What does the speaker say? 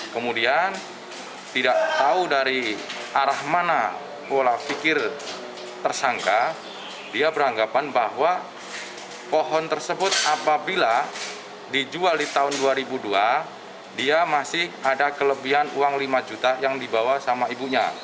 kemudian tidak tahu dari arah mana pola pikir tersangka dia beranggapan bahwa pohon tersebut apabila dijual di tahun dua ribu dua dia masih ada kelebihan uang lima juta yang dibawa sama ibunya